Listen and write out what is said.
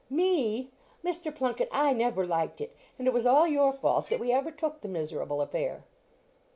"Me! Mr. Plunket, I never liked it; and it was all your fault that we ever took the miserable affair."